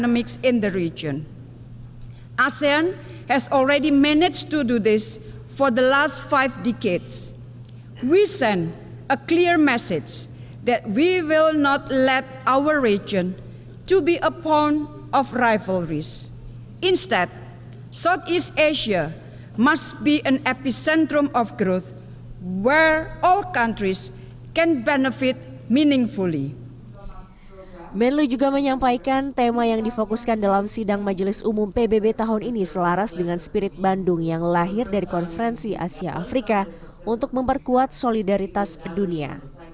menelui juga menyampaikan tema yang difokuskan dalam sidang majelis umum pbb tahun ini selaras dengan spirit bandung yang lahir dari konferensi asia afrika untuk memperkuat solidaritas dunia